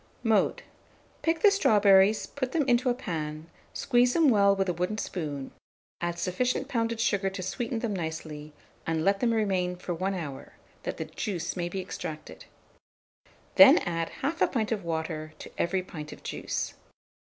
Mode. Pick the strawberries, put them into a pan, squeeze them well with a wooden spoon, add sufficient pounded sugar to sweeten them nicely, and let them remain for 1 hour, that the juice may be extracted; then add 1/2 pint of water to every pint of juice.